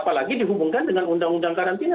apalagi dihubungkan dengan undang undang karantina